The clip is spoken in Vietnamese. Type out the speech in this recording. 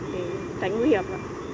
để tránh nguy hiểm